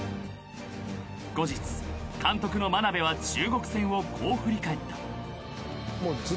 ［後日監督の眞鍋は中国戦をこう振り返った］